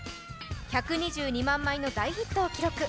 １２２万枚の大ヒットを記録